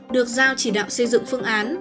được giao chỉ đạo xây dựng phương án